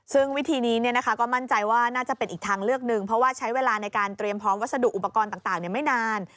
ซึ่งวิธีนี้ก็มั่นใจว่าน่าจะเป็นอีกทางเลือกหนึ่งเพราะว่าใช้เวลาในการเตรียมพร้อมวัสดุอุปกรณ์ต่างไม่นาน